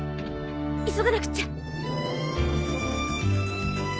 急がなくっちゃ！